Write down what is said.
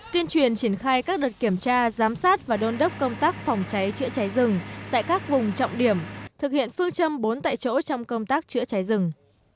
tuyên truyền triển khai các đợt kiểm tra giám sát và đôn đốc công tác phòng cháy chữa cháy rừng tại các vùng trọng điểm thực hiện phương châm bốn tại chỗ trong công tác chữa cháy rừng